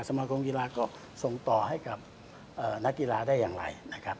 สมาคมกีฬาก็ส่งต่อให้กับนักกีฬาได้อย่างไรนะครับ